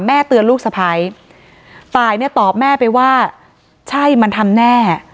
เตือนลูกสะพ้ายตายเนี่ยตอบแม่ไปว่าใช่มันทำแน่